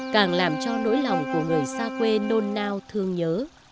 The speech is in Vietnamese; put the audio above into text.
càng làm cho nỗi lòng của người xa quê nôn nao thương nhớ